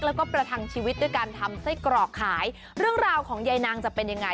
แล้วก็ประทังชีวิตด้วยการทำไส้กรอกขายเรื่องราวของยายนางจะเป็นยังไง